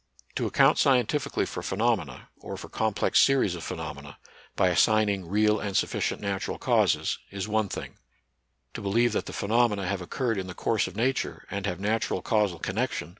To account scien tifically for phenomena, or for complex series of phenomena, by assigning real and sufficient natural causes, is one thing. To believe that the phenomena have occurred in the course of nature, and have natural causal connection. 74 NATURAL SCIENCE AND RELIGION.